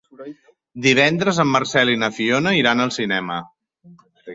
Divendres en Marcel i na Fiona iran al cinema.